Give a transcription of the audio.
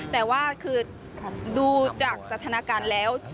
แต่ว่าคือดูจากสถานการณ์แล้ว